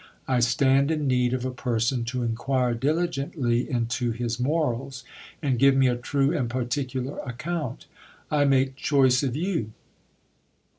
I stand in need of a person to inquire diligently into his morals, and give me a true and particular account. I make choice of you.